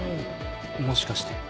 もしかして。